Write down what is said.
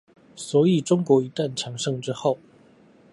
所以中國一旦強盛之後